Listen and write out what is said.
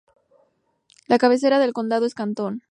La cabecera del condado es Canton.